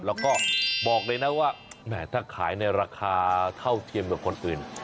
แล้วก็บอกเลยนะว่าแหมถ้าขายในราคาเท่าเทียมกับคนอื่น